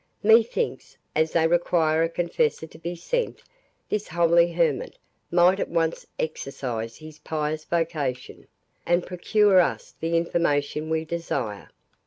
Methinks, as they require a confessor to be sent, this holy hermit might at once exercise his pious vocation, and procure us the information we desire."